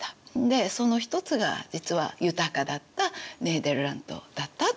でその一つが実は豊かだったネーデルラントだったと。